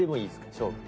勝負。